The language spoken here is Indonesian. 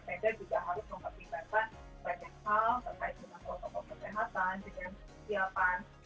sepeda juga harus memperlibatkan banyak hal terkait dengan protokol kesehatan dengan kesiapan